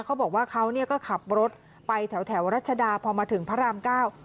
เขาบอกว่าเขาเนี่ยก็ขับรถไปแถวแถวรัชดาพอมาถึงพระรามเก้า